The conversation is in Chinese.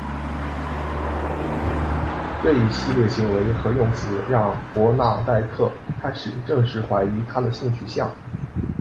这一系列行为和用词让伯纳黛特开始正式怀疑他的性取向。